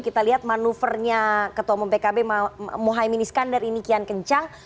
kita lihat manuvernya ketua umum pkb mohaimin iskandar ini kian kencang